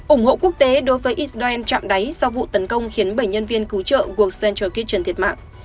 ủng hộ quốc tế đối với israel chạm đáy sau vụ tấn công khiến bảy nhân viên cứu trợ của central kitchen thiệt mạng